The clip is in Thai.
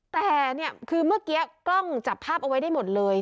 แต่เนี่ยคือเมื่อกี้กล้องจับภาพเอาไว้ได้หมดเลย